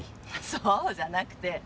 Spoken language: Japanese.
そうじゃなくて。